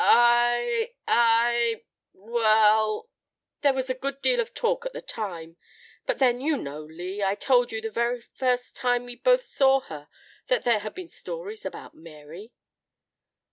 "I I well there was a good deal of talk at the time but then you know, Lee, I told you the very first time we both saw her that there had been stories about Mary."